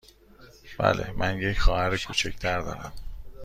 بله، من یک خواهر کوچک تر دارم.